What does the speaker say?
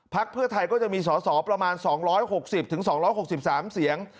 เพื่อไทยก็จะมีสอสอประมาณ๒๖๐๒๖๓เสียง